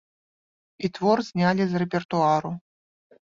І твор знялі з рэпертуару.